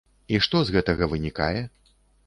І што з гэтага вынікае?